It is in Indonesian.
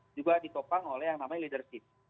juga ditopang oleh yang namanya leadership